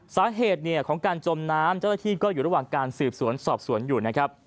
สาเหตุของการจมน้ำเจ้าหน้าที่ก็อยู่ระหว่างการสืบสวนสอบสวนอยู่นะครับ